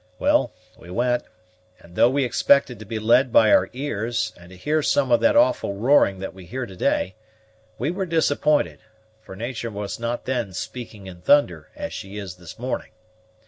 Well, we went; and though we expected to be led by our ears, and to hear some of that awful roaring that we hear to day, we were disappointed, for natur' was not then speaking in thunder, as she is this morning.